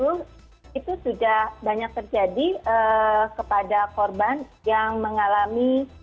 itu sudah banyak terjadi kepada korban yang mengalami